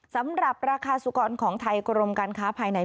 สำหรับราคาสุกรของไทยกรมการค้าภายใน